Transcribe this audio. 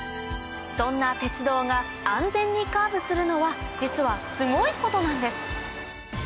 そんな鉄道が安全にカーブするのは実はすごいことなんです